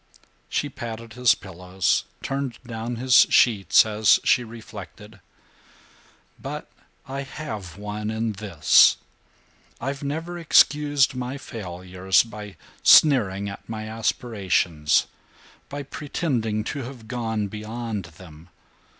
She patted his pillows, turned down his sheets, as she reflected: "But I have won in this: I've never excused my failures by sneering at my aspirations, by pretending to have gone beyond them.